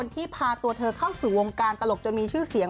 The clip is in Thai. ที่พาตัวเธอเข้าสู่วงการตลกจนมีชื่อเสียง